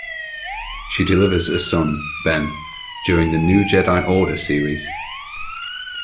She delivers a son, Ben, during "The New Jedi Order" series.